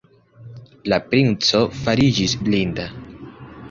La princo fariĝis blinda.